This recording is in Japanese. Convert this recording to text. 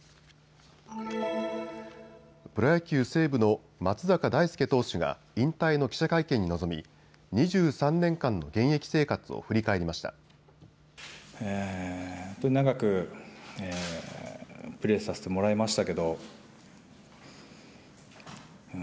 プロ野球、西武の松坂大輔投手が引退の記者会見に臨み２３年間の現役生活を振り返りました。